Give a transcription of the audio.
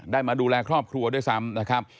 มาดูแลครอบครัวด้วยซ้ำนะครับ